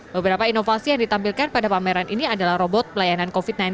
beberapa inovasi yang ditampilkan pada pameran ini adalah robot pelayanan covid sembilan belas